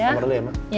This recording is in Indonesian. pamer dulu ya ma